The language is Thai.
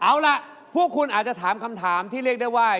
เอาล่ะพวกคุณอาจจะถามคำถามที่เรียกได้ว่า